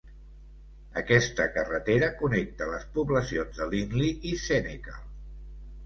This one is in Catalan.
Aquesta carretera connecta les poblacions de Lindley i Senekal.